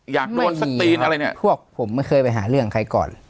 อยากโดนสตีนอะไรเนี่ยพวกผมไม่เคยไปหาเรื่องใครก่อน